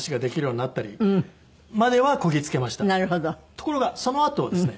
ところがそのあとですね